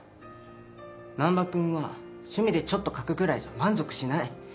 難破君は趣味でちょっと描くくらいじゃ満足しない。